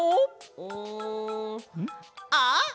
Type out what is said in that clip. うん。あっ！